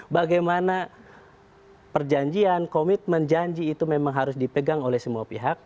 bagaimana perjanjian komitmen janji itu memang harus dipegang oleh semua pihak